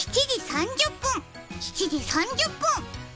７時３０分、７時３０分